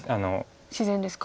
自然ですか。